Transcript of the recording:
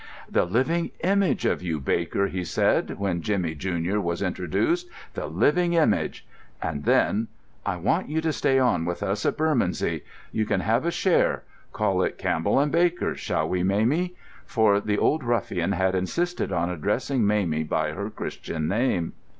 "The living image of you, Baker," he said, when Jimmy, junior, was introduced, "the living image!" And then, "I want you to stay on with us in Bermondsey; you can have a share—call it 'Campbell & Baker,' shall we, Mamie?" For the old ruffian had insisted on addressing Mamie by her Christian name.